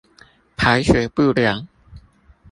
排水不良